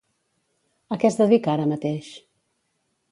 A què es dedica ara mateix?